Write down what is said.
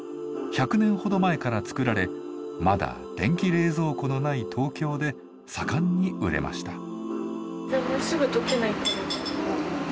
１００年ほど前から作られまだ電気冷蔵庫のない東京で盛んに売れました。